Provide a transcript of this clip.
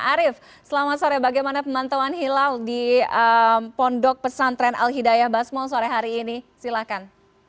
arief selamat sore bagaimana pemantauan hilal di pondok pesantren al hidayah basmol sore hari ini silahkan